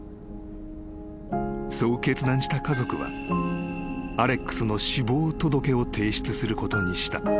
［そう決断した家族はアレックスの死亡届を提出することにした］